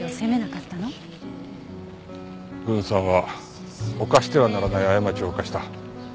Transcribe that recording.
郡さんは犯してはならない過ちを犯した。